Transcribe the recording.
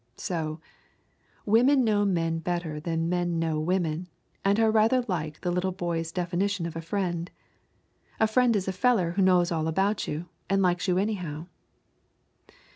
So women know men better than men know women, and are rather like the little boy's definition of a friend: "A friend is a feller who knows all about you, and likes you anyhow."